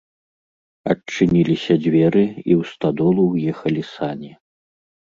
Адчыніліся дзверы, і ў стадолу ўехалі сані.